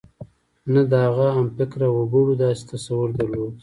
نه د هغه همفکره وګړو داسې تصور درلود.